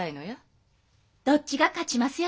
どっちが勝ちますやろか？